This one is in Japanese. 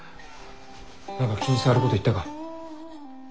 何か気に障ること言ったか？